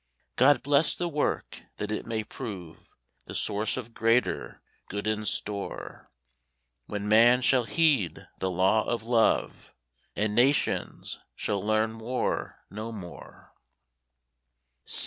God bless the Work, that it may prove The source of greater good in store, When Man shall heed the law of Love, And Nations shall learn war no more.